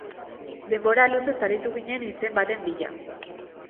Denbora luzez aritu ginen izen baten bila.